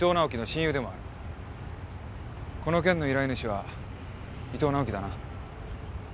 この件の依頼主は伊藤直季だな。